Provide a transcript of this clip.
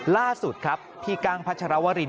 ล่าสุดครับพี่กั้งพัชรวริน